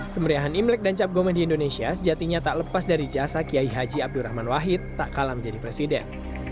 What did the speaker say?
kemeriahan imlek dan cap gome di indonesia sejatinya tak lepas dari jasa kiai haji abdurrahman wahid tak kalah menjadi presiden